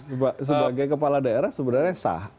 sebagai kepala daerah sebenarnya sah